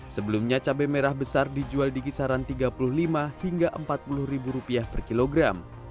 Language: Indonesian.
sebelumnya cabai merah besar dijual di kisaran tiga puluh lima hingga empat puluh ribu rupiah per kilogram